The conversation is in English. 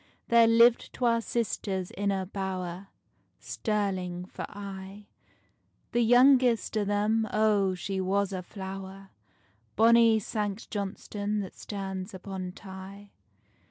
There liv'd twa sisters in a bower, Stirling for aye: The youngest o' them, O, she was a flower! Bonny Sanct Johnstonne that stands upon Tay.